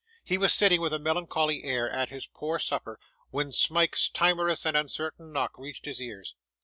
He was sitting, with a melancholy air, at his poor supper, when Smike's timorous and uncertain knock reached his ears.